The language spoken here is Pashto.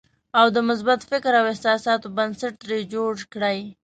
او د مثبت فکر او احساساتو بنسټ ترې جوړ کړئ.